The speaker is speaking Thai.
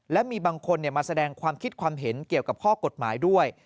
และมีบางคนมาแสดงความคิดความเห็นเกี่ยวกับข้อกฎหมายด้วย